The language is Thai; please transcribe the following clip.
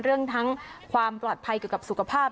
ทั้งความปลอดภัยเกี่ยวกับสุขภาพ